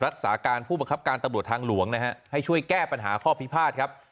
รักษาการผู้บังคับการตำรวจทางหลวงนะฮะให้ช่วยแก้ปัญหาข้อพิพาทครับ